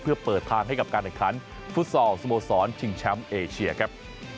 เพื่อเปิดทางให้กับการแข่งขันฟุตซอลสโมสรชิงแชมป์เอเชียครับ